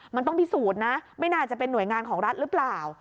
มันต้องพิสูจน์นะไม่น่าจะเป็นหน่วยงานของรัฐหรือเปล่า